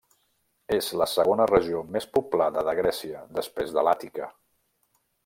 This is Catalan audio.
És la segona regió més poblada de Grècia, després de l'Àtica.